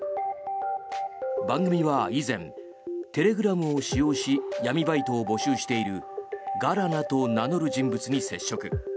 番組は以前、テレグラムを使用し闇バイトを募集しているガラナと名乗る人物に接触。